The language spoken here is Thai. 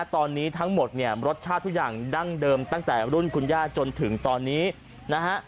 ตอนนี้ทั้งหมดเนี่ยรสชาติทุกอย่างดั้งเดิมตั้งแต่รุ่นคุณย่าจนถึงตอนนี้นะฮะ